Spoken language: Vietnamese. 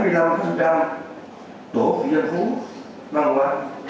bảy mươi năm tổ phụ dân phú văn hóa